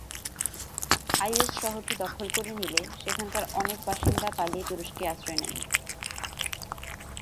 Is শহরটি দখল করে নিলে সেখানকার অনেক বাসিন্দা পালিয়ে তুরস্কে আশ্রয় নেন।